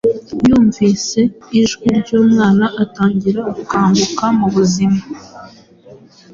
yumvise ijwi ry'umwana Atangira gukanguka mubuzima.